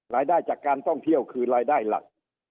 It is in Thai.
รายได้จากการท่องเที่ยวคือรายได้หลัก